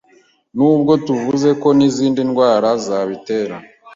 Nubwo tuvuze ko n’izindi ndwara zabitera